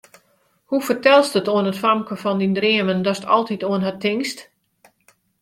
Hoe fertelst it oan it famke fan dyn dreamen, datst altyd oan har tinkst?